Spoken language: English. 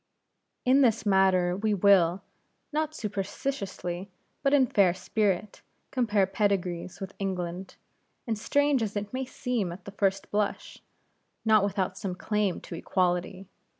In this matter we will not superciliously, but in fair spirit compare pedigrees with England, and strange as it may seem at the first blush, not without some claim to equality.